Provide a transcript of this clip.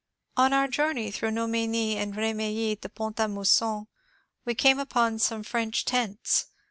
On our journey through Nom^ny and Bemilly to Pont a Mousson we came upon some French tents.